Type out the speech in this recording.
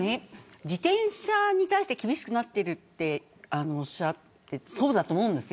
自転車に対して厳しくなっているっておっしゃっていてそうだと思うんですよ。